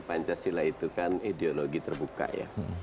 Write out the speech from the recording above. pancasila itu kan ideologi terbuka ya